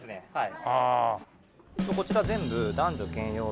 はい。